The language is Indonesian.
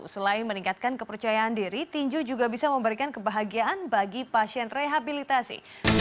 selain meningkatkan kepercayaan diri tinju juga bisa memberikan kebahagiaan bagi pasien rehabilitasi